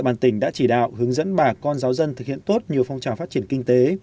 bàn tỉnh đã chỉ đạo hướng dẫn bà con giáo dân thực hiện tốt nhiều phong trào phát triển kinh tế